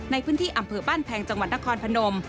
ในพื้นที่อำเภอบ้านแพงจังหวัดนครพนม